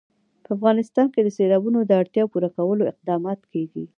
په افغانستان کې د سیلابونو د اړتیاوو پوره کولو اقدامات کېږي.